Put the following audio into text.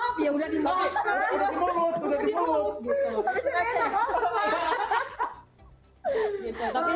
itu ya udah dimakai